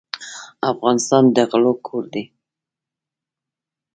افغانستان د غلو کور دی.